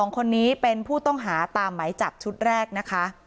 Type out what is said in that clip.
๒คนนี้เป็นผู้ต้องหาตามไหมจับชุดแรกนะคะ